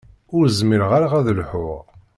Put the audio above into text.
Ur zmireɣ ara ad lḥuɣ.